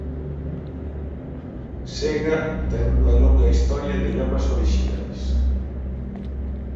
Sega ten unha longa historia de lemas orixinais.